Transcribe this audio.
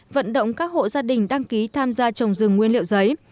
vận động các hộ gia đình đăng ký tham gia trồng rừng nguyên liệu giấy